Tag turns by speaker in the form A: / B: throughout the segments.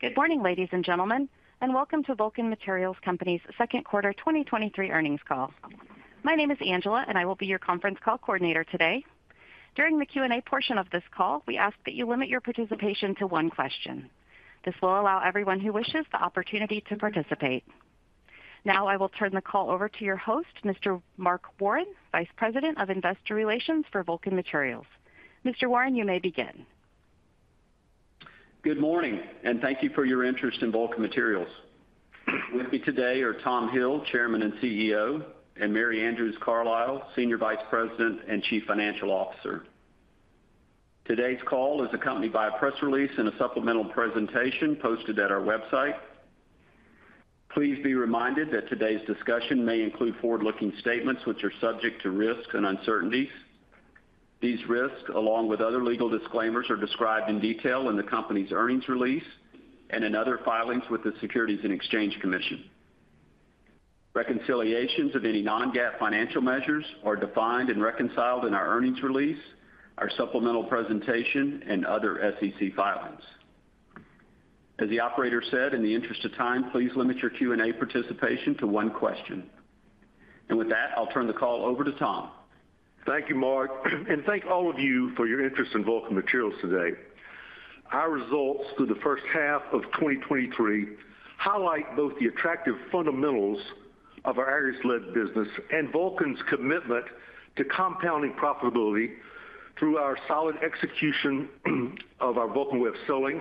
A: Good morning, ladies and gentlemen, and welcome to Vulcan Materials Company's second quarter 2023 earnings call. My name is Angela, and I will be your conference call coordinator today. During the Q&A portion of this call, we ask that you limit your participation to one question. This will allow everyone who wishes the opportunity to participate. Now, I will turn the call over to your host, Mr. Mark Warren, Vice President of Investor Relations for Vulcan Materials. Mr. Warren, you may begin.
B: Good morning. Thank you for your interest in Vulcan Materials. With me today are Tom Hill, Chairman and CEO, and Mary Andrews Carlisle, Senior Vice President and Chief Financial Officer. Today's call is accompanied by a press release and a supplemental presentation posted at our website. Please be reminded that today's discussion may include forward-looking statements which are subject to risks and uncertainties. These risks, along with other legal disclaimers, are described in detail in the company's earnings release and in other filings with the Securities and Exchange Commission. Reconciliations of any non-GAAP financial measures are defined and reconciled in our earnings release, our supplemental presentation, and other SEC filings. As the operator said, in the interest of time, please limit your Q&A participation to one question. With that, I'll turn the call over to Tom.
C: Thank you, Mark, thank all of you for your interest in Vulcan Materials today. Our results through the first half of 2023 highlight both the attractive fundamentals of our aggregates-led business and Vulcan's commitment to compounding profitability through our solid execution of our Vulcan Way of Selling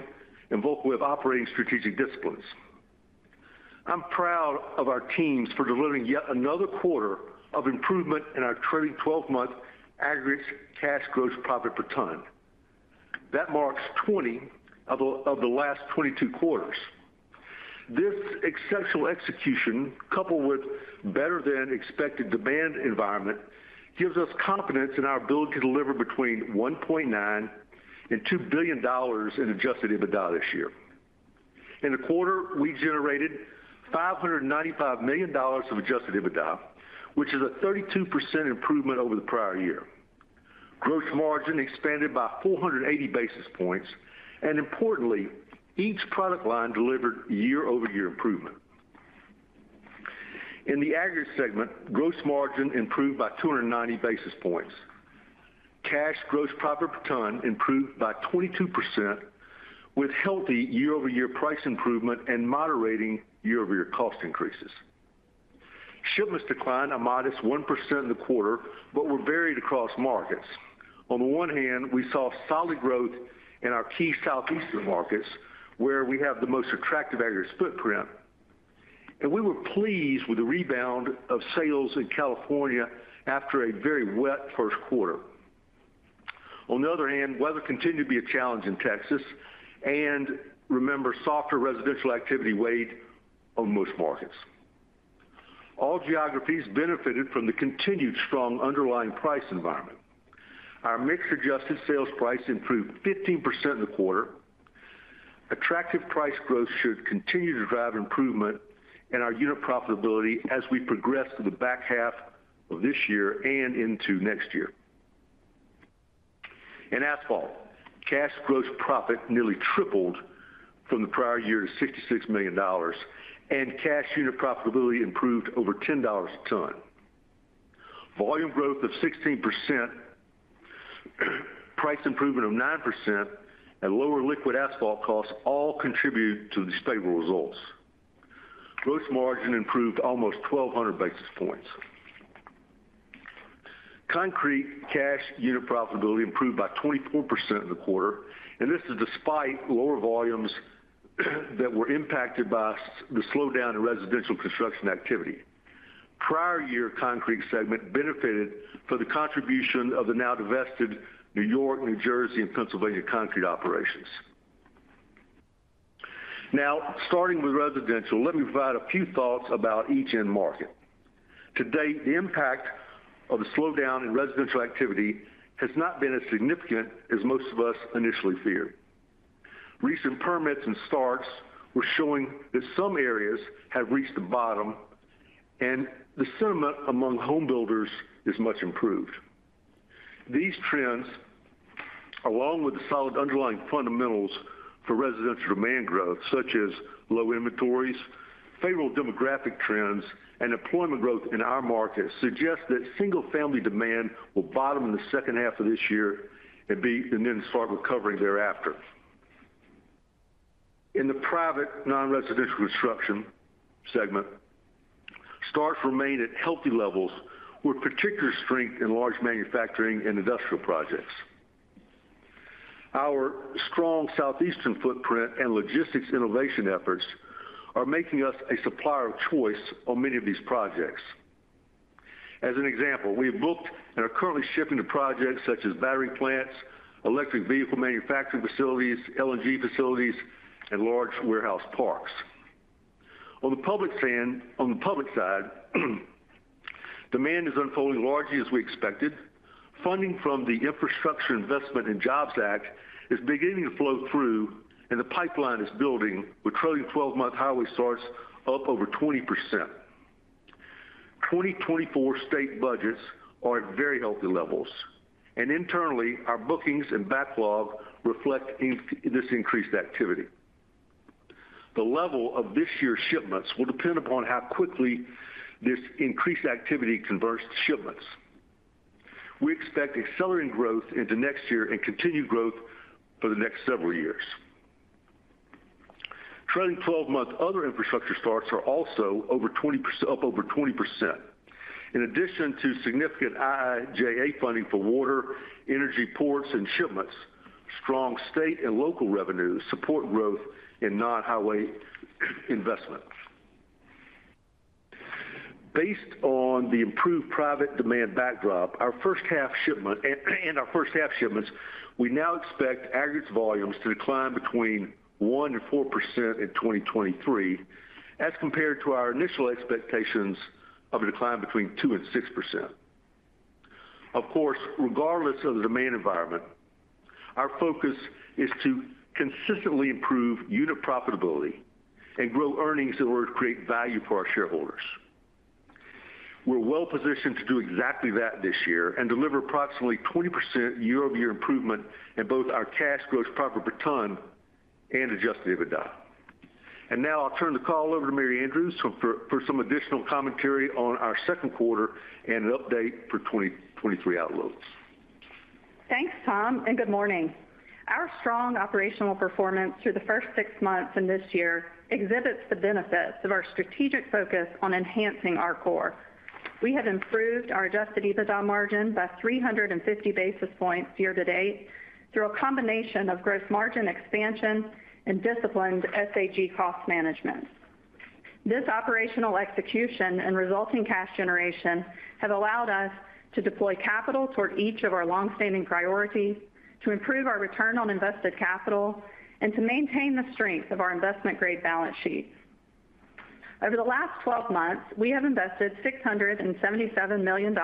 C: and Vulcan Way of Operating strategic disciplines. I'm proud of our teams for delivering yet another quarter of improvement in our trailing 12-month aggregate cash gross profit per ton. That marks 20 of the last 22 quarters. This exceptional execution, coupled with better-than-expected demand environment, gives us confidence in our ability to deliver between $1.9 billion and $2 billion in Adjusted EBITDA this year. In the quarter, we generated $595 million of Adjusted EBITDA, which is a 32% improvement over the prior year. Gross margin expanded by 480 basis points. Importantly, each product line delivered year-over-year improvement. In the aggregate segment, gross margin improved by 290 basis points. cash gross profit per ton improved by 22%, with healthy year-over-year price improvement and moderating year-over-year cost increases. Shipments declined a modest 1% in the quarter, were varied across markets. On the one hand, we saw solid growth in our key Southeastern markets, where we have the most attractive aggregate footprint. We were pleased with the rebound of sales in California after a very wet first quarter. On the other hand, weather continued to be a challenge in Texas. Remember, softer residential activity weighed on most markets. All geographies benefited from the continued strong underlying price environment. Our mixed adjusted sales price improved 15% in the quarter. Attractive price growth should continue to drive improvement in our unit profitability as we progress through the back half of this year and into next year. In asphalt, cash gross profit nearly tripled from the prior year to $66 million, cash unit profitability improved over $10 a ton. Volume growth of 16%, price improvement of 9%, lower liquid asphalt costs all contributed to these favorable results. Gross margin improved almost 1,200 basis points. Concrete cash unit profitability improved by 24% in the quarter, this is despite lower volumes that were impacted by the slowdown in residential construction activity. Prior year concrete segment benefited for the contribution of the now divested New York, New Jersey, and Pennsylvania concrete operations. Now, starting with residential, let me provide a few thoughts about each end market. To date, the impact of the slowdown in residential activity has not been as significant as most of us initially feared. Recent permits and starts were showing that some areas have reached the bottom, and the sentiment among homebuilders is much improved. These trends, along with the solid underlying fundamentals for residential demand growth, such as low inventories, favorable demographic trends, and employment growth in our markets, suggest that single-family demand will bottom in the second half of this year and then start recovering thereafter. In the private, non-residential construction segment, starts remained at healthy levels, with particular strength in large manufacturing and industrial projects. Our strong Southeastern footprint and logistics innovation efforts are making us a supplier of choice on many of these projects. As an example, we have booked and are currently shipping to projects such as battery plants, electric vehicle manufacturing facilities, LNG facilities, and large warehouse parks. On the public side, demand is unfolding largely as we expected. Funding from the Infrastructure Investment and Jobs Act is beginning to flow through, and the pipeline is building, with trailing twelve-month highway starts up over 20%. 2024 state budgets are at very healthy levels, and internally, our bookings and backlog reflect this increased activity. The level of this year's shipments will depend upon how quickly this increased activity converts to shipments. We expect accelerating growth into next year and continued growth for the next several years. Trending twelve-month other infrastructure starts are also up over 20%. In addition to significant IIJA funding for water, energy, ports, and shipments, strong state and local revenues support growth in non-highway investment. Based on the improved private demand backdrop, our first half shipment, and our first half shipments, we now expect aggregate volumes to decline between 1% and 4% in 2023, as compared to our initial expectations of a decline between 2% and 6%. Of course, regardless of the demand environment, our focus is to consistently improve unit profitability and grow earnings in order to create value for our shareholders. We're well positioned to do exactly that this year and deliver approximately 20% year-over-year improvement in both our cash gross profit per ton and Adjusted EBITDA. Now I'll turn the call over to Mary Andrews for some additional commentary on our second quarter and an update for 2023 outlooks.
D: Thanks, Tom, and good morning. Our strong operational performance through the first 6 months in this year exhibits the benefits of our strategic focus on enhancing our core. We have improved our Adjusted EBITDA margin by 350 basis points year to date through a combination of gross margin expansion and disciplined SAG cost management. This operational execution and resulting cash generation have allowed us to deploy capital toward each of our long-standing priorities, to improve our return on invested capital, and to maintain the strength of our investment-grade balance sheet. Over the last 12 months, we have invested $677 million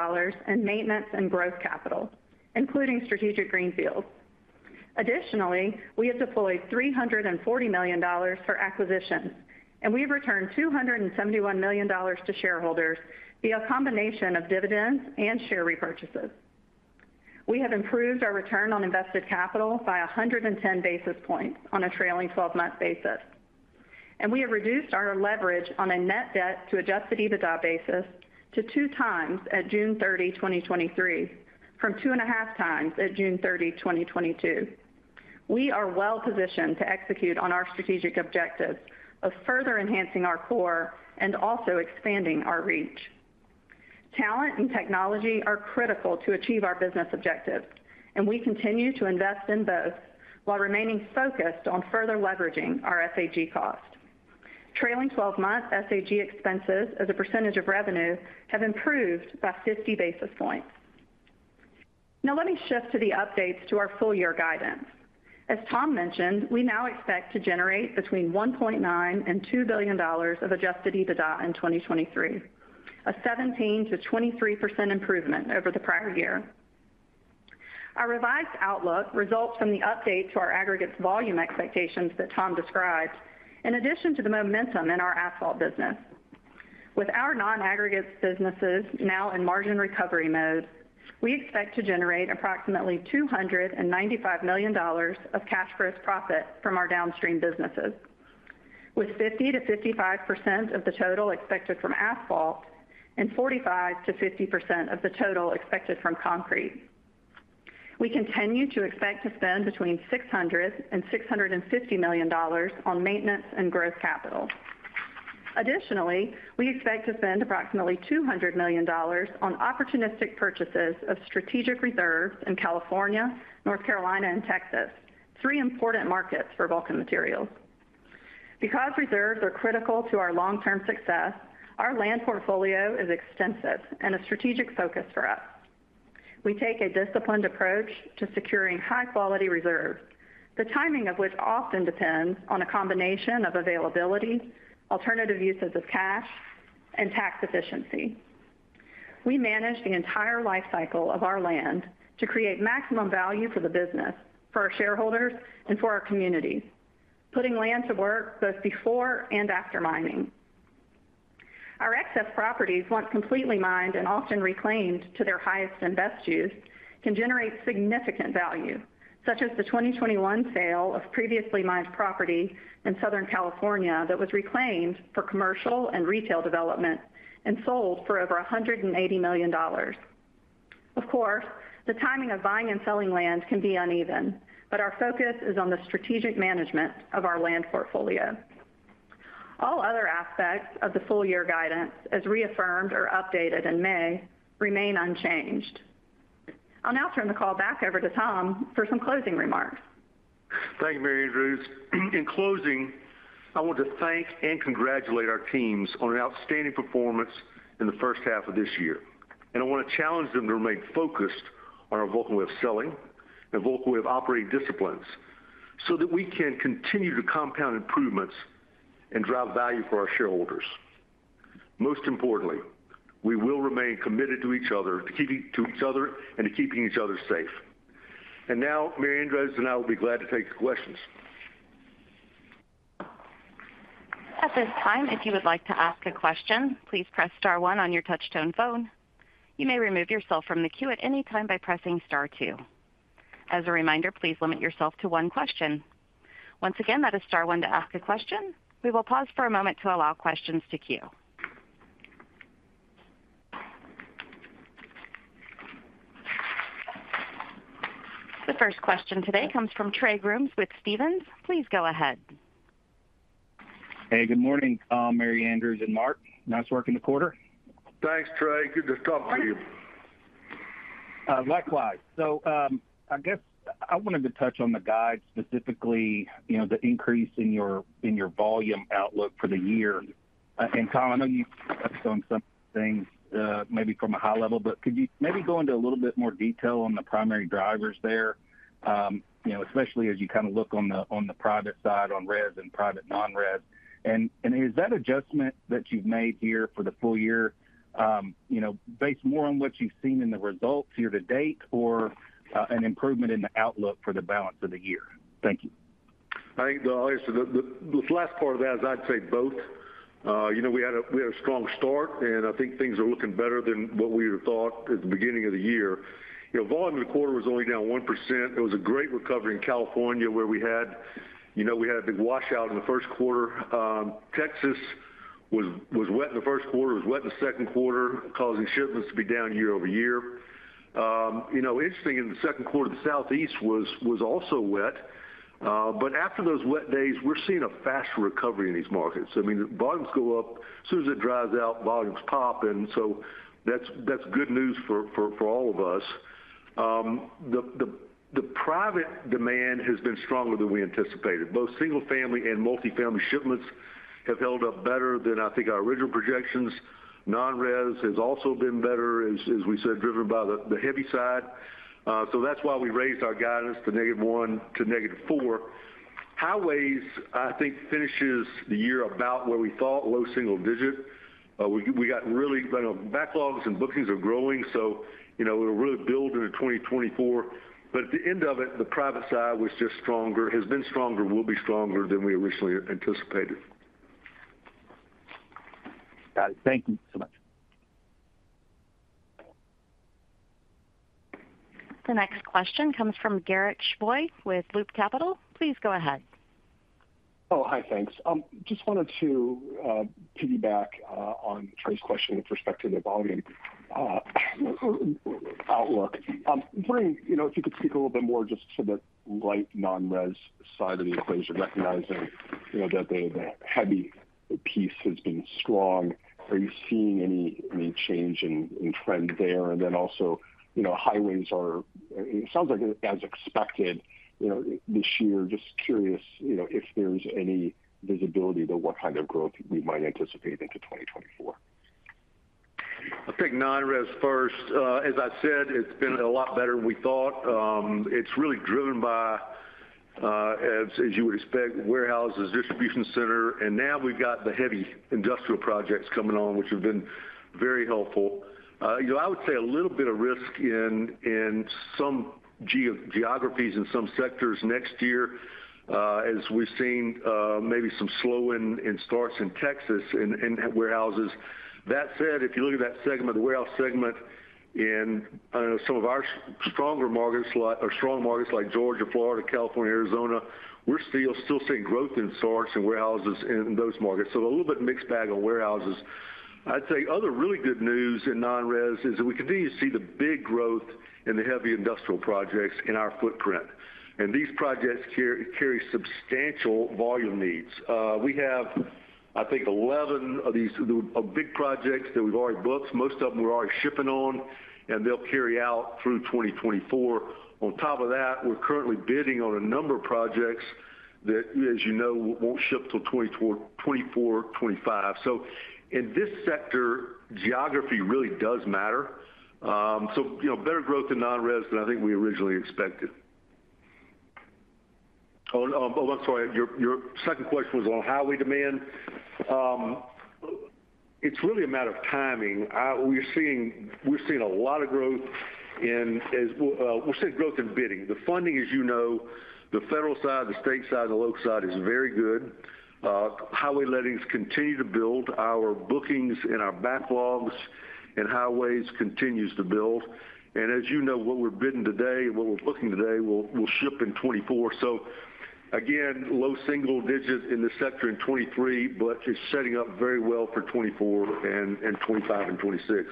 D: in maintenance and growth capital, including strategic greenfields. Additionally, we have deployed $340 million for acquisitions, and we've returned $271 million to shareholders via a combination of dividends and share repurchases. We have improved our return on invested capital by 110 basis points on a trailing twelve-month basis. We have reduced our leverage on a net debt to adjusted EBITDA basis to 2x at June 30, 2023, from 2.5x at June 30, 2022. We are well positioned to execute on our strategic objectives of further enhancing our core and also expanding our reach. Talent and technology are critical to achieve our business objectives, and we continue to invest in both while remaining focused on further leveraging our SAG cost. Trailing twelve-month SAG expenses as a percentage of revenue have improved by 50 basis points. Now, let me shift to the updates to our full year guidance. As Tom mentioned, we now expect to generate between $1.9 billion and $2 billion of Adjusted EBITDA in 2023, a 17%-23% improvement over the prior year. Our revised outlook results from the update to our aggregates volume expectations that Tom described, in addition to the momentum in our asphalt business. With our non-aggregates businesses now in margin recovery mode, we expect to generate approximately $295 million of cash gross profit from our downstream businesses, with 50%-55% of the total expected from asphalt and 45%-50% of the total expected from concrete. We continue to expect to spend between $600 million and $650 million on maintenance and growth capital. Additionally, we expect to spend approximately $200 million on opportunistic purchases of strategic reserves in California, North Carolina, and Texas, three important markets for Vulcan Materials. Because reserves are critical to our long-term success, our land portfolio is extensive and a strategic focus for us. We take a disciplined approach to securing high-quality reserves, the timing of which often depends on a combination of availability, alternative uses of cash, and tax efficiency. We manage the entire life cycle of our land to create maximum value for the business, for our shareholders, and for our communities, putting land to work both before and after mining. Our excess properties, once completely mined and often reclaimed to their highest and best use, can generate significant value, such as the 2021 sale of previously mined property in Southern California that was reclaimed for commercial and retail development and sold for over $180 million. Of course, the timing of buying and selling land can be uneven, but our focus is on the strategic management of our land portfolio. All other aspects of the full year guidance, as reaffirmed or updated in May, remain unchanged. I'll now turn the call back over to Tom for some closing remarks.
C: Thank you, Mary Andrews. In closing, I want to thank and congratulate our teams on an outstanding performance in the first half of this year, and I want to challenge them to remain focused on our Vulcan Way of Selling and Vulcan Way of Operating disciplines, so that we can continue to compound improvements and drive value for our shareholders. Most importantly, we will remain committed to each other, and to keeping each other safe. Now, Mary Andrews and I will be glad to take your questions.
A: At this time, if you would like to ask a question, please press star one on your touchtone phone. You may remove yourself from the queue at any time by pressing star two. As a reminder, please limit yourself to one question. Once again, that is star one to ask a question. We will pause for a moment to allow questions to queue. The first question today comes from Trey Grooms with Stephens. Please go ahead.
E: Hey, good morning, Mary Andrews and Mark. Nice work in the quarter.
C: Thanks, Trey. Good to talk to you.
E: Likewise. I guess I wanted to touch on the guide, specifically, you know, the increase in your, in your volume outlook for the year. Tom, I know you touched on some things, maybe from a high level, but could you maybe go into a little bit more detail on the primary drivers there? You know, especially as you kind of look on the, on the private side, on res and private non-res. Is that adjustment that you've made here for the full year, you know, based more on what you've seen in the results here to date, or an improvement in the outlook for the balance of the year? Thank you.
C: I think the answer to the, the last part of that is I'd say both. You know, we had a, we had a strong start. I think things are looking better than what we would have thought at the beginning of the year. You know, volume in the quarter was only down 1%. It was a great recovery in California, where we had... You know, we had a big washout in the first quarter. Texas was, was wet in the first quarter, it was wet in the second quarter, causing shipments to be down year-over-year. You know, interesting in the second quarter, the Southeast was, was also wet. After those wet days, we're seeing a faster recovery in these markets. I mean, the volumes go up as soon as it dries out, volumes pop, and so that's, that's good news for, for, for all of us. The private demand has been stronger than we anticipated. Both single family and multifamily shipments have held up better than I think our original projections. Non-res has also been better, as we said, driven by the heavy side. That's why we raised our guidance to -1% to -4%. Highways, I think, finishes the year about where we thought, low single-digit. We got really, you know, backlogs and bookings are growing, so you know, we're really building to 2024. At the end of it, the private side was just stronger, has been stronger, will be stronger than we originally anticipated.
E: Got it. Thank you so much.
A: The next question comes from Garik Shmois with Loop Capital. Please go ahead.
F: Oh, hi. Thanks. Just wanted to piggyback on Trey's question with respect to the volume outlook. Wondering, you know, if you could speak a little bit more just to the light non-res side of the equation, recognizing, you know, that the heavy piece has been strong. Are you seeing any, any change in trend there? Also, you know, highways are, it sounds like as expected, you know, this year. Just curious, you know, if there's any visibility to what kind of growth we might anticipate into 2024.
C: I'll take non-res first. As I said, it's been a lot better than we thought. It's really driven by, as you would expect, warehouses, distribution center, and now we've got the heavy industrial projects coming on, which have been very helpful. You know, I would say a little bit of risk in geographies in some sectors next year, as we've seen maybe some slowing in starts in Texas in warehouses. That said, if you look at that segment, the warehouse segment, in some of our stronger markets like, or strong markets like Georgia, Florida, California, Arizona, we're still, still seeing growth in starts and warehouses in those markets. A little bit mixed bag on warehouses. I'd say other really good news in non-res is that we continue to see the big growth in the heavy industrial projects in our footprint. These projects carry, carry substantial volume needs. We have, I think, 11 of these, the big projects that we've already booked. Most of them we're already shipping on. They'll carry out through 2024. On top of that, we're currently bidding on a number of projects that, as you know, won't ship till 2024, 2024, 2025. In this sector, geography really does matter. You know, better growth in non-res than I think we originally expected. Oh, I'm sorry. Your, your second question was on highway demand. It's really a matter of timing. We're seeing, we're seeing a lot of growth in, as we're seeing growth in bidding. The funding, as you know, the federal side, the state side, and the local side is very good. Highway lettings continue to build. Our bookings and our backlogs in highways continues to build. As you know, what we're bidding today and what we're booking today will, will ship in 2024. Again, low single digits in this sector in 2023, but it's setting up very well for 2024 and 2025 and 2026.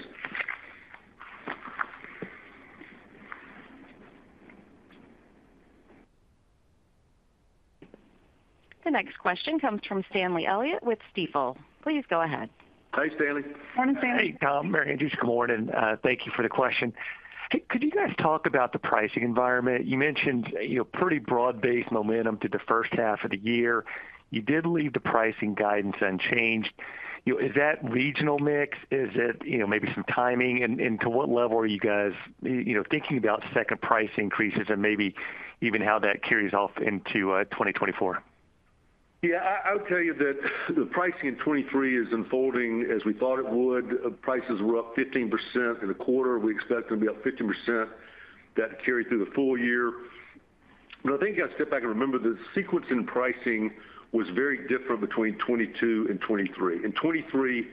A: The next question comes from Stanley Elliott with Stifel. Please go ahead.
C: Hi, Stanley.
D: Morning, Stanley.
G: Hey, Tom Hill, Mary Andrews Carlisle, good morning. Thank you for the question. Could you guys talk about the pricing environment? You mentioned, you know, pretty broad-based momentum through the first half of the year. You did leave the pricing guidance unchanged. You know, is that regional mix? Is it, you know, maybe some timing? To what level are you guys, you know, thinking about second price increases and maybe even how that carries off into 2024?
C: Yeah, I, I would tell you that the pricing in 2023 is unfolding as we thought it would. Prices were up 15% in the quarter. We expect them to be up 15%. That carried through the full year. I think you gotta step back and remember, the sequence in pricing was very different between 2022 and 2023. In 2023,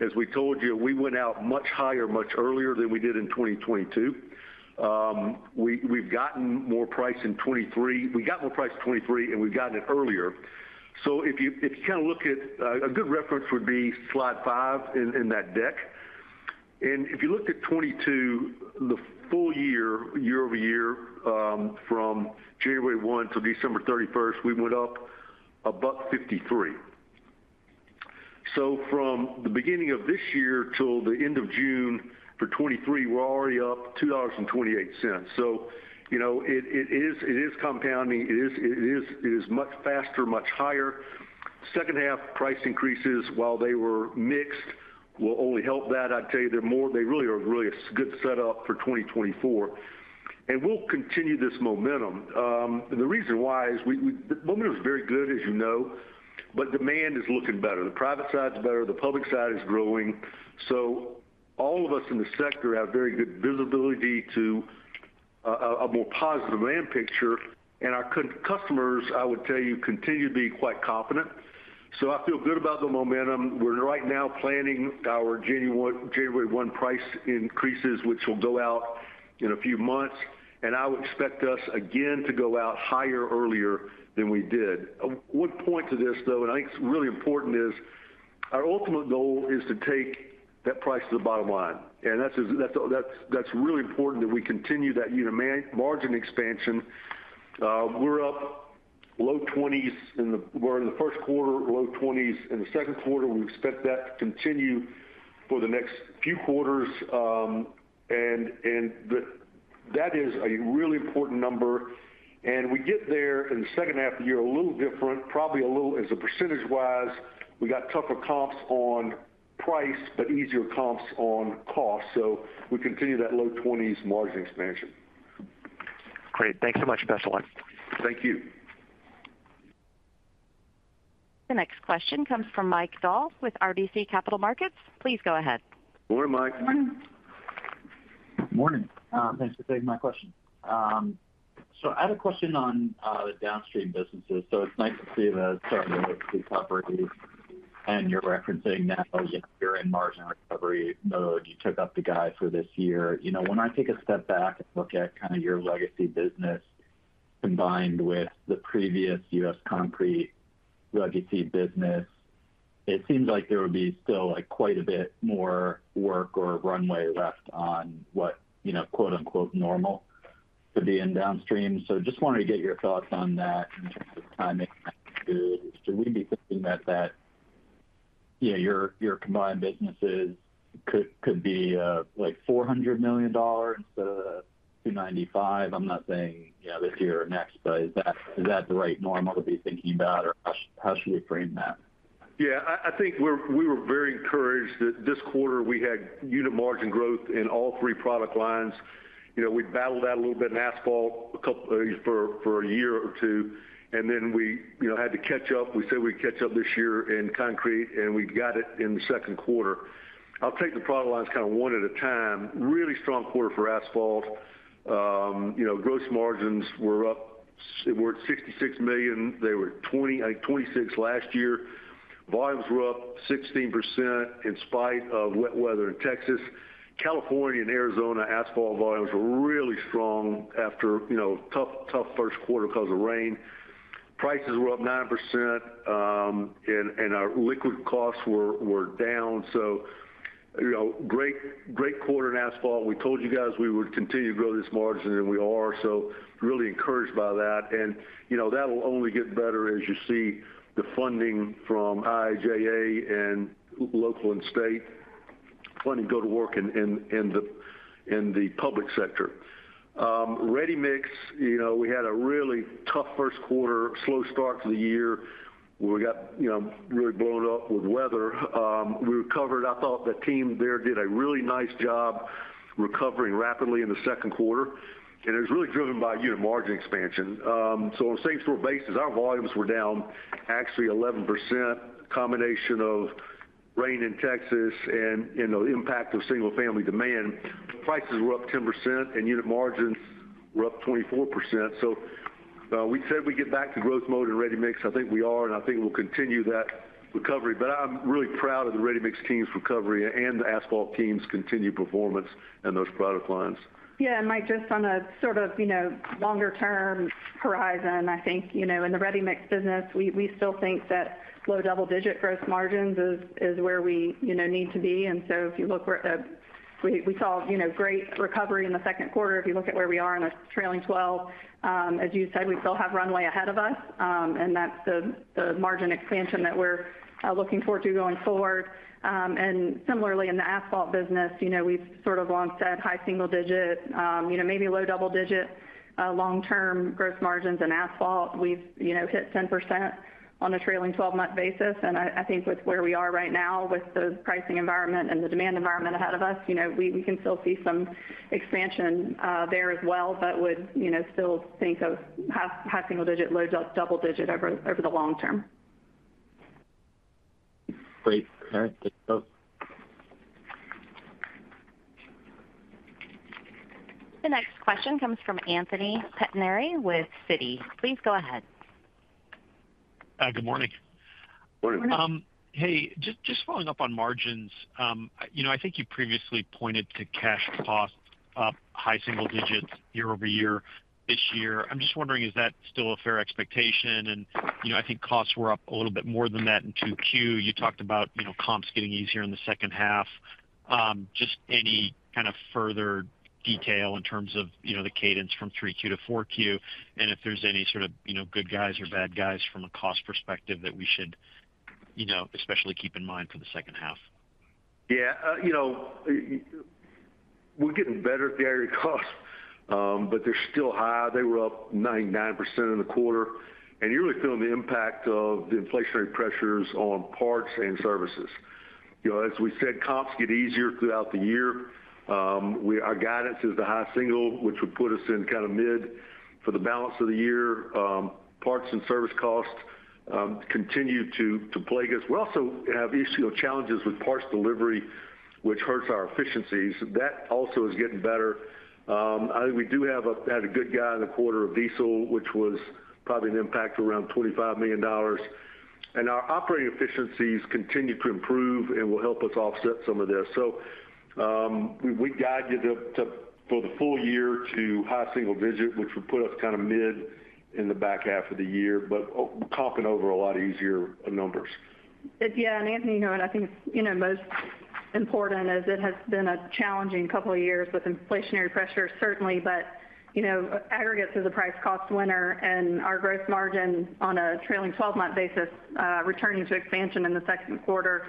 C: as we told you, we went out much higher, much earlier than we did in 2022. We, we've gotten more price in 2023. We got more price in 2023, and we've gotten it earlier. If you, if you kinda look at, a good reference would be slide 5 in, in that deck. If you looked at 2022, the full year, year-over-year, from January 1 to December 31st, we went up $1.53. From the beginning of this year till the end of June for 2023, we're already up $2.28. You know, it is compounding. It is much faster, much higher. Second half price increases, while they were mixed, will only help that. I'd tell you, they're more, they really are really a good setup for 2024, we'll continue this momentum. The reason why is we, the momentum is very good, as you know, but demand is looking better. The private side is better, the public side is growing. All of us in the sector have very good visibility to a more positive demand picture, and our customers, I would tell you, continue to be quite confident. I feel good about the momentum. We're right now planning our January 1, January 1 price increases, which will go out in a few months. I would expect us again to go out higher earlier than we did. One point to this, though, I think it's really important, is our ultimate goal is to take that price to the bottom line. That's, that's, that's, that's really important that we continue that unit margin expansion. We're up low 20s in the 1st quarter, low 20s in the 2nd quarter. We expect that to continue for the next few quarters. That is a really important number. We get there in the 2nd half of the year, a little different, probably a little as a percentage-wise. We got tougher comps on price, easier comps on cost. We continue that low 20s margin expansion.
G: Great. Thanks so much, blessingf.
C: Thank you.
A: The next question comes from Mike Dahl with RBC Capital Markets. Please go ahead.
C: Morning, Mike.
D: Morning.
H: Morning. Thanks for taking my question. I had a question on the downstream businesses. It's nice to see the start of the recovery, and you're referencing now you're in margin recovery mode. You took up the guide for this year. You know, when I take a step back and look at kinda your legacy business, combined with the previous U.S. Concrete legacy business, it seems like there would be still, like, quite a bit more work or runway left on what, you know, quote-unquote, "normal" would be in downstream. Just wanted to get your thoughts on that in terms of timing. Should we be thinking that, that, you know, your, your combined businesses could, could be, like $400 million instead of $295? I'm not saying, you know, this year or next, but is that, is that the right normal to be thinking about, or how should, how should we frame that?
C: Yeah, I, I think we were very encouraged that this quarter we had unit margin growth in all 3 product lines. You know, we battled that a little bit in asphalt a couple, for a year or two, and then we, you know, had to catch up. We said we'd catch up this year in concrete, we got it in the second quarter. I'll take the product lines kinda 1 at a time. Really strong quarter for asphalt. You know, gross margins were up. They were at $66 million. They were $20 million, like $26 million last year. Volumes were up 16%, in spite of wet weather in Texas. California and Arizona, asphalt volumes were really strong after, you know, tough, tough first quarter 'cause of rain. Prices were up 9%, and our liquid costs were down. You know, great, great quarter in asphalt. We told you guys we would continue to grow this margin, and we are, so really encouraged by that. You know, that will only get better as you see the funding from IIJA and local and state funding go to work in the public sector. Ready-mix, you know, we had a really tough first quarter, slow start to the year, where we got, you know, really blown up with weather. We recovered. I thought the team there did a really nice job recovering rapidly in the second quarter, and it was really driven by unit margin expansion. On a same-store basis, our volumes were down actually 11%, a combination of rain in Texas and, you know, impact of single-family demand. Prices were up 10%, and unit margins were up 24%. We said we'd get back to growth mode in ready-mix. I think we are, and I think we'll continue that recovery. I'm really proud of the ready-mix team's recovery and the asphalt team's continued performance in those product lines.
D: Yeah, Mike, just on a sort of, you know, longer term horizon, I think, you know, in the ready-mix business, we, we still think that low double-digit gross margins is, is where we, you know, need to be. So if you look at where, we, we saw, you know, great recovery in the second quarter. If you look at where we are in a trailing 12, as you said, we still have runway ahead of us, and that's the margin expansion that we're looking forward to going forward. Similarly, in the asphalt business, you know, we've sort of long said high single digit, you know, maybe low double digit, long-term gross margins in asphalt. We've, you know, hit 10% on a trailing 12-month basis, and I, I think with where we are right now with the pricing environment and the demand environment ahead of us, you know, we, we can still see some expansion there as well, but would, you know, still think of high, high single digit, low double digit over, over the long term.
H: Great. All right. Thanks, folks.
A: The next question comes from Anthony Pettinari with Citi. Please go ahead.
I: Good morning.
C: Good morning.
I: Hey, just, just following up on margins. You know, I think you previously pointed to cash costs up high single digits year-over-year this year. I'm just wondering, is that still a fair expectation? You know, I think costs were up a little bit more than that in 2Q. You talked about, you know, comps getting easier in the second half. Just any kind of further detail in terms of, you know, the cadence from 3Q to 4Q, and if there's any sort of, you know, good guys or bad guys from a cost perspective that we should, you know, especially keep in mind for the second half?
C: Yeah, you know, we're getting better at the area costs, but they're still high. They were up 99% in the quarter. You're really feeling the impact of the inflationary pressures on parts and services. You know as we said, comps get easier throughout the year. Our guidance is the high single, which would put us in kind of mid for the balance of the year. Parts and service costs continue to plague us. We also have issue challenges with parts delivery, which hurts our efficiencies. That also is getting better. I think we do had a good guy in the quarter of diesel, which was probably an impact around $25 million. Our operating efficiencies continue to improve and will help us offset some of this. We, we guide you for the full year to high single digits, which would put us kind of mid in the back half of the year, but comping over a lot easier numbers.
D: Yeah, and Anthony, you know, and I think, you know, most important is it has been a challenging couple of years with inflationary pressures, certainly, but you know, aggregate is a price cost winner and our gross margin on a trailing 12-month basis, returning to expansion in the second quarter,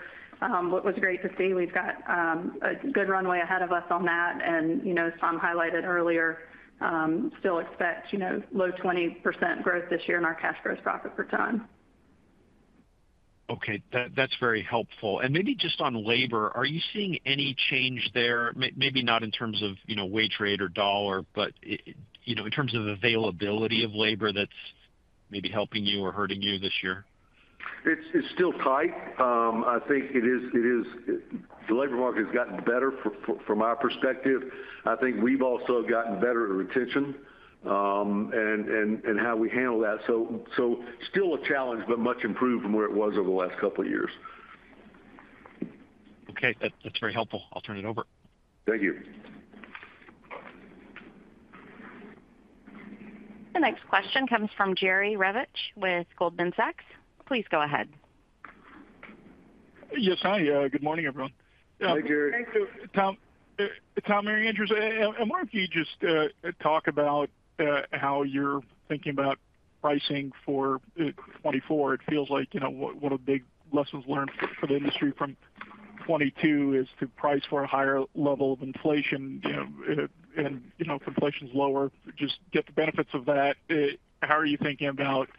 D: what was great to see. We've got a good runway ahead of us on that, and, you know, as Tom highlighted earlier, still expect, you know, low 20% growth this year in our cash gross profit per ton.
I: Okay, that, that's very helpful. Maybe just on labor, are you seeing any change there? maybe not in terms of, you know, wage rate or dollar, but, you know, in terms of availability of labor that's maybe helping you or hurting you this year?
C: It's, it's still tight. I think The labor market has gotten better from our perspective. I think we've also gotten better at retention, and how we handle that. still a challenge, but much improved from where it was over the last couple of years.
I: Okay, that's very helpful. I'll turn it over.
C: Thank you.
A: The next question comes from Jerry Revich with Goldman Sachs. Please go ahead.
J: Yes, hi. Good morning, everyone.
C: Hey, Jerry.
D: Thank you.
J: Tom, Tom, Mary Andrews. I'm wondering if you could just talk about how you're thinking about pricing for 2024. It feels like, you know, one, one of the big lessons learned for the industry from 2022 is to price for a higher level of inflation, you know, and, you know, if inflation's lower, just get the benefits of that. How are you thinking about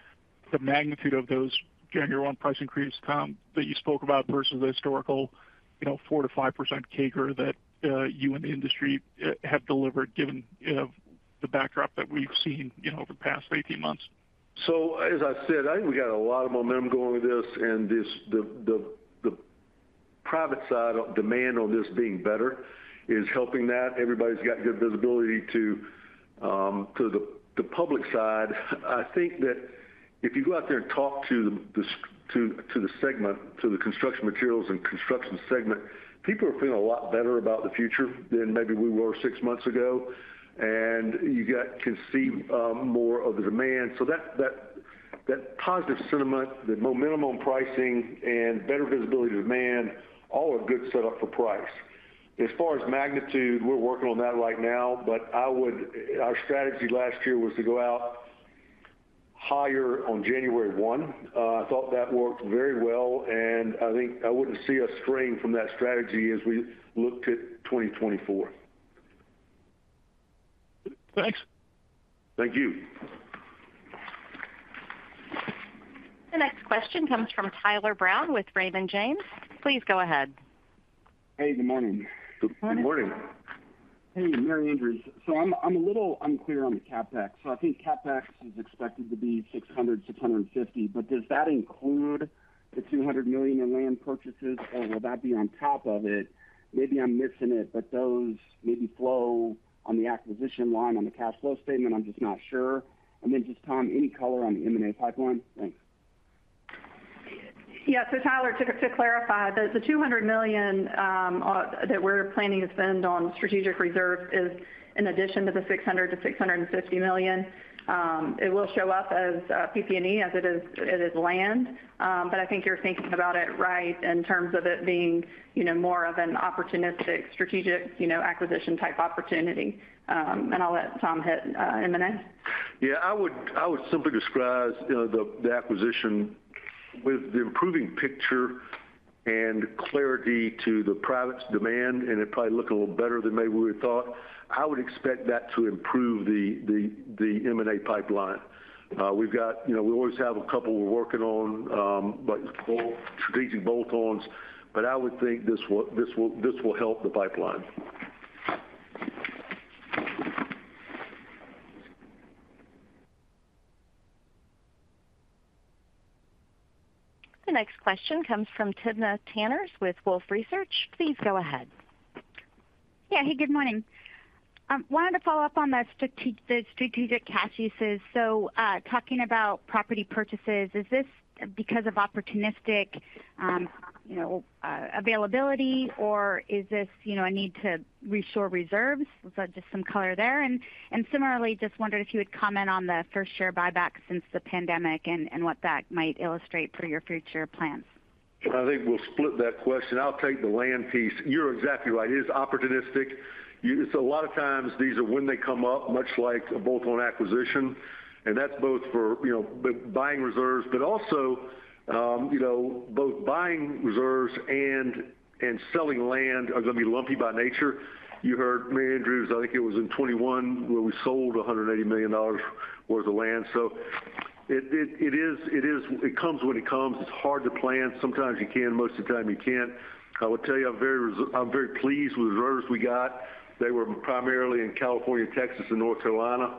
J: the magnitude of those January 1 price increases, Tom, that you spoke about versus the historical, you know, 4%-5% CAGR that you and the industry have delivered, given, you know, the backdrop that we've seen, you know, over the past 18 months?
C: As I said, I think we got a lot of momentum going with this, and this, the, the, the private side of demand on this being better is helping that. Everybody's got good visibility to the public side. I think that if you go out there and talk to the segment, to the construction materials and construction segment, people are feeling a lot better about the future than maybe we were 6 months ago, and you can see more of the demand. That, that, that positive sentiment, the momentum on pricing and better visibility of demand, all are good set up for price. As far as magnitude, we're working on that right now, but our strategy last year was to go out higher on January 1. I thought that worked very well, and I think I wouldn't see us straying from that strategy as we look to 2024.
J: Thanks.
C: Thank you.
A: The next question comes from Tyler Brown with Raymond James. Please go ahead.
K: Hey, good morning.
C: Good morning.
D: Good morning.
K: Hey, Mary Andrews. I'm a little unclear on the CapEx. I think CapEx is expected to be $600-$650, but does that include the $200 million in land purchases, or will that be on top of it? Maybe I'm missing it, but those maybe flow on the acquisition line on the cash flow statement. I'm just not sure. Then just, Tom, any color on the M&A pipeline? Thanks.
D: Yeah. Tyler, to, to clarify, the, the $200 million, that we're planning to spend on strategic reserves is in addition to the $600 million-$650 million. It will show up as PP&E as it is, it is land. I think you're thinking about it right, in terms of it being, you know, more of an opportunistic, strategic, you know, acquisition type opportunity. I'll let Tom hit M&A.
C: Yeah, I would, I would simply describe, you know, the, the acquisition with the improving picture and clarity to the private's demand, and it probably look a little better than maybe we thought. I would expect that to improve the, the, the M&A pipeline. We've got, you know, we always have a couple we're working on, but strategic bolt-ons, but I would think this will, this will, this will help the pipeline.
A: The next question comes from Timna Tanners with Wolfe Research. Please go ahead.
L: Yeah. Hey, good morning. I wanted to follow up on the strategic, the strategic cash uses. talking about property purchases, is this because of opportunistic, you know, availability, or is this, you know, a need to restore reserves? just some color there. similarly, just wondered if you would comment on the first share buyback since the pandemic and what that might illustrate for your future plans.
C: I think we'll split that question. I'll take the land piece. You're exactly right, it is opportunistic. So a lot of times these are when they come up, much like both on acquisition, and that's both for, you know, but buying reserves, but also, you know, both buying reserves and, and selling land are going to be lumpy by nature. You heard Mary Andrews, I think it was in 2021, where we sold $180 million worth of land. It, it, it is, it comes when it comes. It's hard to plan. Sometimes you can, most of the time you can't. I will tell you, I'm very pleased with the reserves we got. They were primarily in California, Texas, and North Carolina.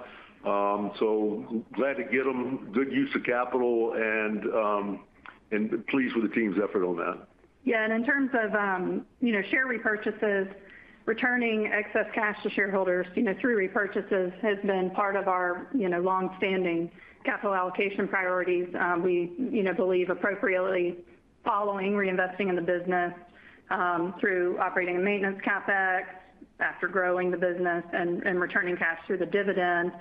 C: Glad to get them. Good use of capital and and pleased with the team's effort on that.
D: Yeah, in terms of, you know, share repurchases, returning excess cash to shareholders, you know, through repurchases, has been part of our, you know, long-standing capital allocation priorities. We, you know, believe appropriately following reinvesting in the business, through operating and maintenance CapEx, after growing the business and, and returning cash through the dividend.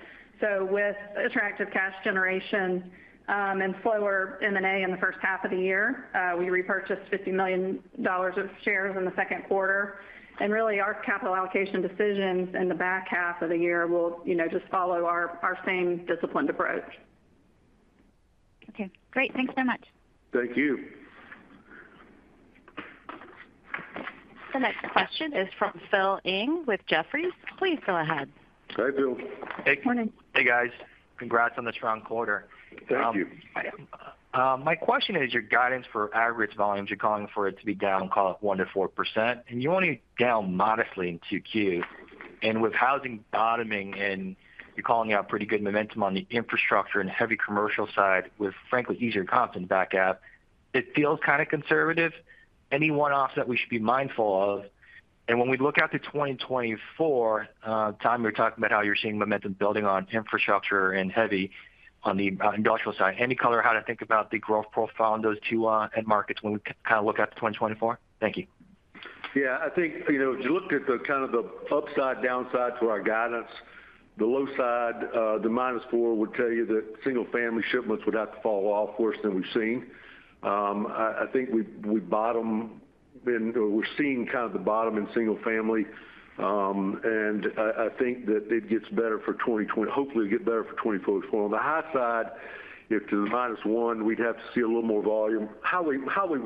D: With attractive cash generation, and slower M&A in the first half of the year, we repurchased $50 million of shares in the second quarter. Really, our capital allocation decisions in the back half of the year will, you know, just follow our, our same disciplined approach.
L: Okay, great. Thanks so much.
C: Thank you.
A: The next question is from Phil Ng with Jefferies. Please go ahead.
C: Hi, Phil.
D: Good morning.
M: Hey, guys. Congrats on the strong quarter.
C: Thank you.
M: My question is your guidance for average volumes. You're calling for it to be down, call it 1%-4%, and you're only down modestly in 2Q. With housing bottoming, and you're calling out pretty good momentum on the infrastructure and heavy commercial side, with, frankly, easier comps in back app, it feels kind of conservative. Any one-offs that we should be mindful of? When we look out to 2024, Tom, you're talking about how you're seeing momentum building on infrastructure and heavy on the industrial side. Any color, how to think about the growth profile in those two end markets when we kind of look out to 2024? Thank you.
C: Yeah, I think, you know, if you look at the kind of the upside, downside to our guidance, the low side, the -4, would tell you that single family shipments would have to fall off worse than we've seen. I think we're seeing kind of the bottom in single family. And I, I think that it gets better for hopefully it get better for 2024. On the high side, if to the -1, we'd have to see a little more volume. Highway, highway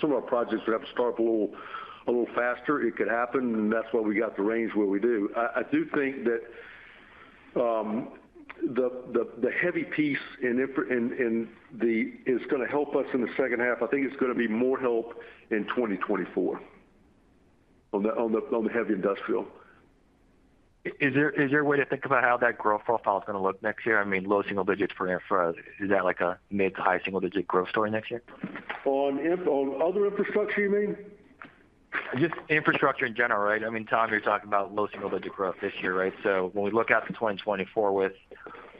C: some of our projects would have to start up a little, a little faster. It could happen, and that's why we got the range where we do. I, I do think that, the, the, the heavy piece is going to help us in the second half. I think it's going to be more help in 2024 on the, on the, on the heavy industrial.
M: Is there a way to think about how that growth profile is going to look next year? I mean, low single digits for infra. Is that like a mid to high single-digit growth story next year?
C: On other infrastructure, you mean?
M: Just infrastructure in general, right? I mean, Tom, you're talking about low single digit growth this year, right? When we look out to 2024, with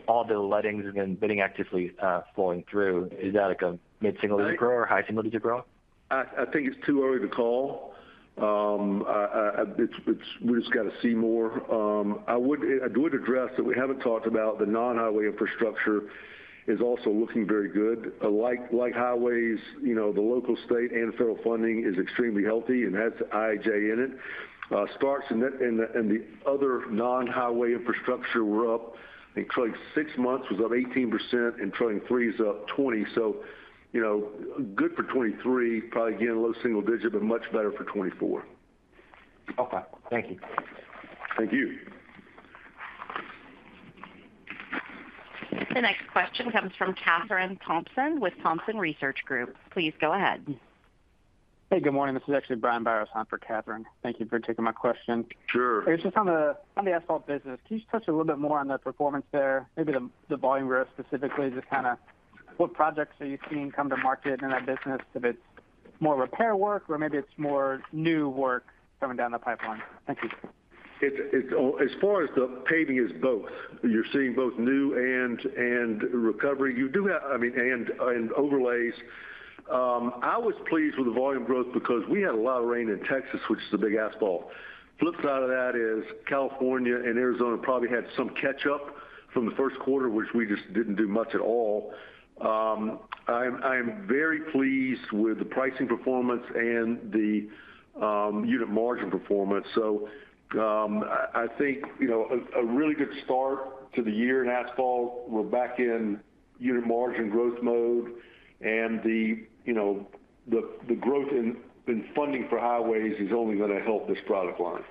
M: all the lettings and then bidding actively, flowing through, is that like a mid-single digit growth or high single digit growth?
C: I, I think it's too early to call. It's, it's-- we just got to see more. I would, I would address that we haven't talked about the non-highway infrastructure is also looking very good. Like, like highways, you know, the local, state, and federal funding is extremely healthy, and has IIJA in it. Starts in the, in the, in the other non-highway infrastructure were up, in trading six months was up 18%, in trading three is up 20. You know, good for 2023, probably again, low single digit, but much better for 2024.
M: Okay. Thank you.
C: Thank you.
A: The next question comes from Kathryn Thompson with Thompson Research Group. Please go ahead.
N: Hey, good morning. This is actually Brian Biros on for Kathryn. Thank you for taking my question.
C: Sure.
N: It's just on the asphalt business. Can you just touch a little bit more on the performance there? Maybe the volume growth specifically, just kind of what projects are you seeing come to market in that business? If it's more repair work, or maybe it's more new work coming down the pipeline. Thank you.
C: As far as the paving, is both. You're seeing both new and, and recovery. I mean, and, and overlays. I was pleased with the volume growth because we had a lot of rain in Texas, which is a big asphalt. Flip side of that is California and Arizona probably had some catch up from the first quarter, which we just didn't do much at all. I am, I am very pleased with the pricing performance and the unit margin performance. I, I think, you know, a, a really good start to the year in asphalt. We're back in unit margin growth mode and the, you know, the, the growth in, in funding for highways is only going to help this product line.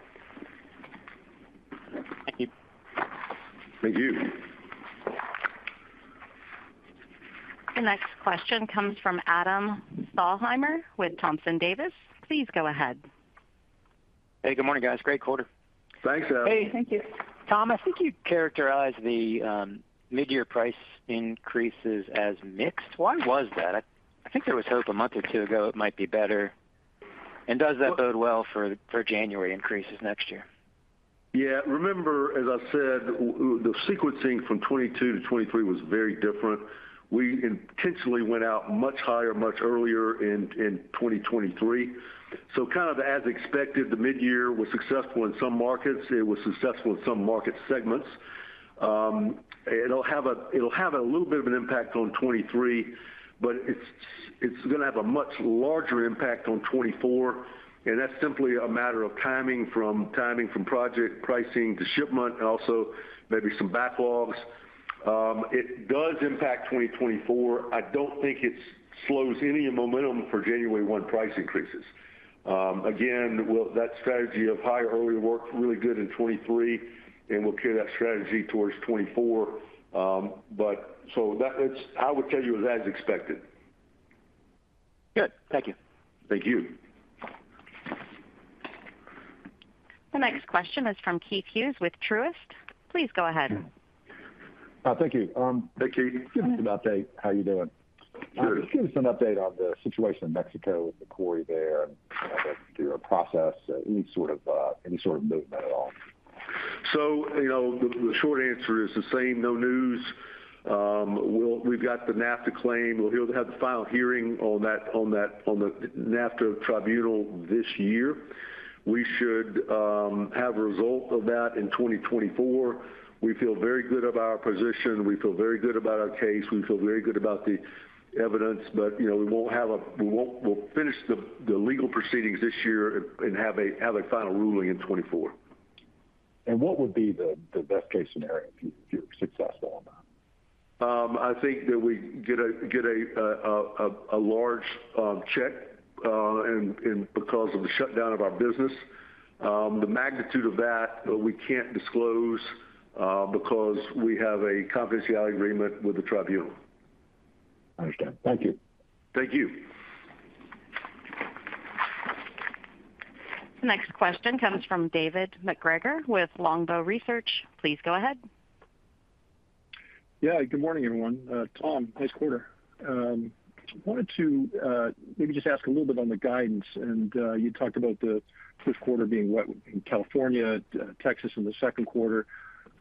N: Thank you.
C: Thank you.
A: The next question comes from Adam Thalhimer with Thompson Davis. Please go ahead.
O: Hey, good morning, guys. Great quarter.
C: Thanks, Adam.
D: Hey, thank you.
O: Tom, I think you characterized the midyear price increases as mixed. Why was that? I, I think there was hope a month or two ago it might be better. Does that bode well for, for January increases next year?
C: Yeah. Remember, as I said, the sequencing from 2022 to 2023 was very different. We intentionally went out much higher, much earlier in, in 2023. Kind of as expected, the midyear was successful in some markets, it was successful in some market segments. It'll have a, it'll have a little bit of an impact on 2023, but it's, it's gonna have a much larger impact on 2024, and that's simply a matter of timing from, timing from project pricing to shipment, and also maybe some backlogs. It does impact 2024. I don't think it slows any momentum for January 1 price increases. Again, we'll that strategy of high early worked really good in 2023, and we'll carry that strategy towards 2024. That it's I would tell you as as expected.
O: Good. Thank you.
C: Thank you.
A: The next question is from Keith Hughes with Truist. Please go ahead.
P: Thank you.
C: Hey, Keith....
P: Give us an update. How are you doing?
C: Good.
P: Give us an update on the situation in Mexico with the quarry there, and, you know, the process, any sort of, any sort of movement at all.
C: You know, the, the short answer is the same, no news. We've got the NAFTA claim. We'll have the final hearing on that, on that, on the NAFTA tribunal this year. We should have a result of that in 2024. We feel very good about our position, we feel very good about our case, we feel very good about the evidence, but, you know, we'll finish the, the legal proceedings this year and, and have a, have a final ruling in 2024.
P: What would be the best case scenario if you're successful on that?
C: I think that we get a large check and because of the shutdown of our business. The magnitude of that, we can't disclose because we have a confidentiality agreement with the tribunal.
P: Understand. Thank you.
C: Thank you.
A: The next question comes from David MacGregor with Longbow Research. Please go ahead.
Q: Yeah, good morning, everyone. Tom, nice quarter. Wanted to maybe just ask a little bit on the guidance, you talked about the first quarter being wet in California, Texas in the second quarter.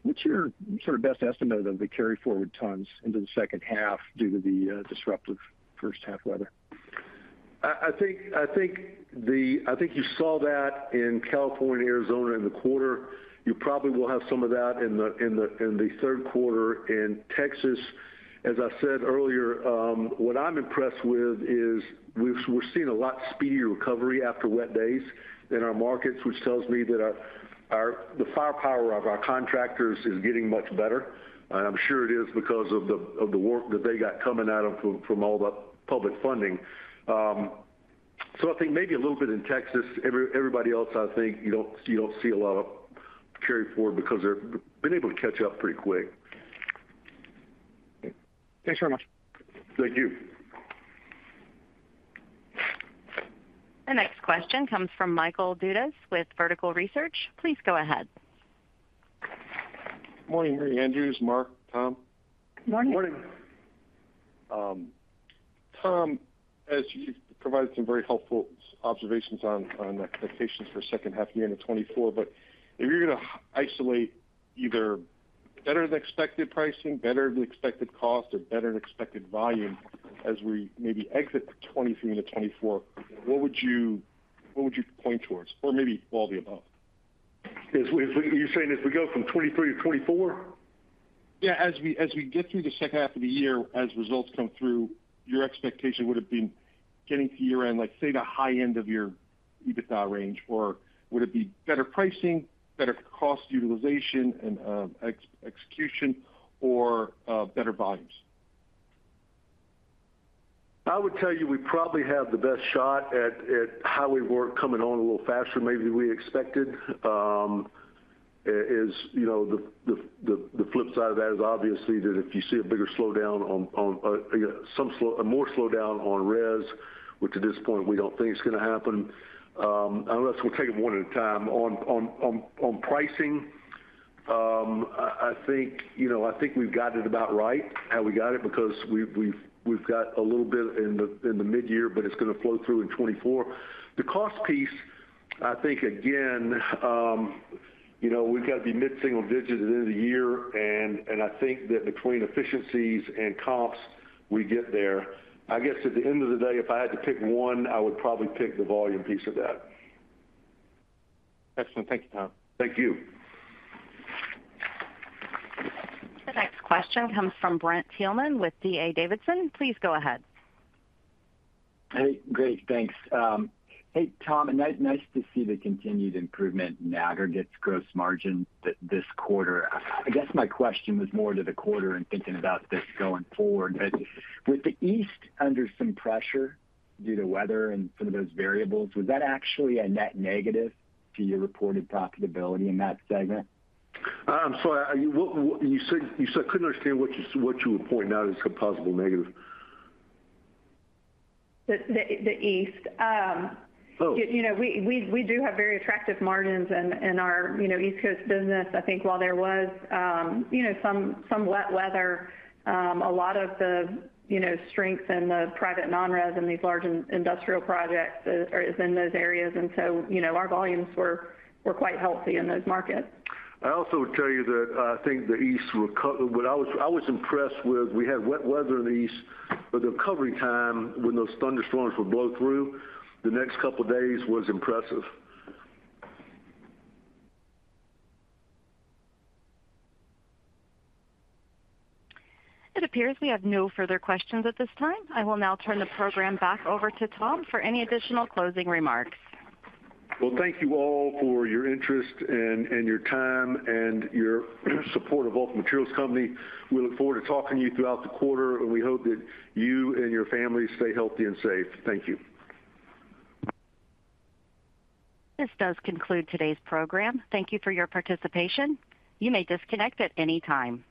Q: What's your sort of best estimate of the carry forward tons into the second half due to the disruptive first half weather?
C: I, I think, I think I think you saw that in California and Arizona in the quarter. You probably will have some of that in the, in the, in the third quarter in Texas. As I said earlier, what I'm impressed with is we're seeing a lot speedier recovery after wet days in our markets, which tells me that our, our, the firepower of our contractors is getting much better. I'm sure it is because of the, of the work that they got coming out of, from, from all the public funding. I think maybe a little bit in Texas. Everybody else, I think you don't, you don't see a lot of carry forward because they've been able to catch up pretty quick.
Q: Thanks very much.
C: Thank you.
A: The next question comes from Michael Dudas with Vertical Research. Please go ahead.
R: Good morning, Mary Andrews, Mark, Tom.
D: Good morning.
C: Good morning.
R: Tom, as you've provided some very helpful observations on, on expectations for second half of the year in 2024, but if you're gonna isolate either better than expected pricing, better than expected cost, or better than expected volume as we maybe exit 2023 into 2024, what would you, what would you point towards? Or maybe all the above?
C: As we, you're saying as we go from 2023 to 2024?
R: Yeah, as we, as we get through the second half of the year, as results come through, your expectation would have been getting to year-end, like, say, the high end of your EBITDA range, or would it be better pricing, better cost utilization and execution, or better volumes?
C: I would tell you, we probably have the best shot at, at highway work coming on a little faster than maybe we expected. As, you know, the, the, the, the flip side of that is obviously that if you see a bigger slowdown on, on, more slowdown on res, which at this point, we don't think it's gonna happen, unless we'll take them one at a time. On pricing, I, I think, you know, I think we've got it about right, how we got it, because we've, we've, we've got a little bit in the, in the midyear, but it's gonna flow through in 2024. The cost piece, I think, again, you know, we've got to be mid-single digits at the end of the year, and, and I think that between efficiencies and costs, we get there. I guess at the end of the day, if I had to pick one, I would probably pick the volume piece of that.
R: Excellent. Thank you, Tom.
C: Thank you.
A: The next question comes from Brent Thielman with D.A. Davidson. Please go ahead.
S: Hey, great, thanks. Hey, Tom, and nice to see the continued improvement in the aggregates gross margin this quarter. I guess my question was more to the quarter and thinking about this going forward, but with the East under some pressure due to weather and some of those variables, was that actually a net negative to your reported profitability in that segment?
C: You said, you said... I couldn't understand what you, what you were pointing out as a possible negative.
D: The, the, the East.
C: Oh.
D: You know, we, we, we do have very attractive margins in, in our, you know, East Coast business. I think while there was, you know, some, some wet weather, a lot of the, you know, strength in the private non-res and these large industrial projects is, is in those areas. So, you know, our volumes were, were quite healthy in those markets.
C: I also would tell you that I think the East what I was, I was impressed with, we had wet weather in the East, but the recovery time when those thunderstorms would blow through, the next couple of days was impressive.
A: It appears we have no further questions at this time. I will now turn the program back over to Tom for any additional closing remarks.
C: Well, thank you all for your interest and, and your time and your support of Vulcan Materials Company. We look forward to talking to you throughout the quarter, and we hope that you and your families stay healthy and safe. Thank you.
A: This does conclude today's program. Thank you for your participation. You may disconnect at any time.